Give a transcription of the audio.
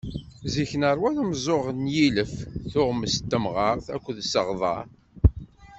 Zik neṛwa ameẓẓuɣ n yilef, tuɣmest n temɣart akked seɣdeṛ.